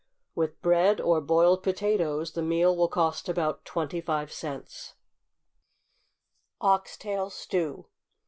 With bread, or boiled potatoes, the meal will cost about twenty five cents. =Oxtail Stew.